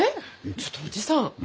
ちょっとおじさん